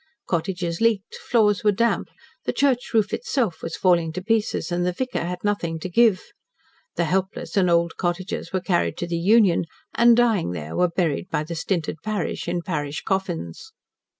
Cottages leaked, floors were damp, the church roof itself was falling to pieces, and the vicar had nothing to give. The helpless and old cottagers were carried to the "Union" and, dying there, were buried by the stinted parish in parish coffins.